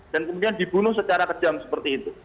kemudian dibunuh secara kejam seperti itu